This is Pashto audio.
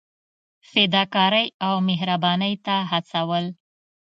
فدا کارۍ او مهربانۍ ته هڅول.